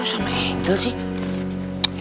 kok lu sama angel sih